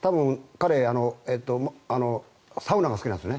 彼、サウナが好きなんですよね。